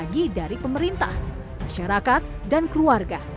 yang lebih baik lagi dari pemerintah masyarakat dan keluarga